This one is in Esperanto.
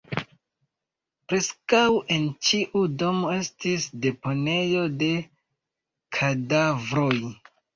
Preskaŭ en ĉiu domo estis deponejo de kadavroj.